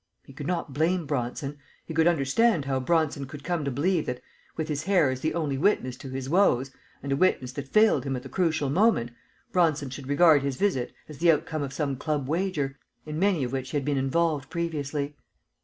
He could not blame Bronson. He could understand how Bronson could come to believe that, with his hair as the only witness to his woes, and a witness that failed him at the crucial moment, Bronson should regard his visit as the outcome of some club wager, in many of which he had been involved previously.